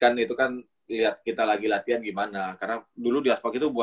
karena dulu di aspak kita juga gitu ya kan kita lagi latihan gimana karena dulu di aspak kita juga gitu ya